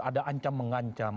ada ancam mengancam